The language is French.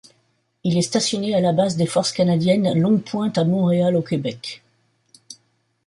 Il est stationné à la base des Forces canadiennes Longue-Pointe à Montréal au Québec.